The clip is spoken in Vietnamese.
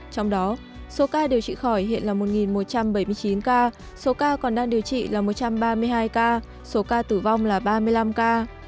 trong đó số ca điều trị khỏi hiện là một một trăm bảy mươi chín ca số ca còn đang điều trị là một trăm ba mươi hai ca số ca tử vong là ba mươi năm ca